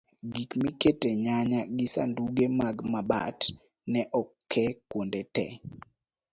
gik mikete nyanya gi sanduge mag mabat ne oke kwonde te